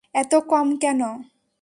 এতো কম কেনো?